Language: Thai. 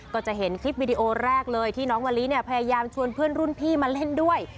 ก็จะเห็นคลิปวิดีโอแรกเลยที่น้องมะลิเนี่ยพยายามชวนเพื่อนรุ่นพี่มาเล่นด้วย